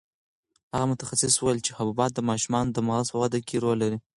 هغه متخصص وویل چې حبوبات د ماشومانو د مغز په وده کې رول لري.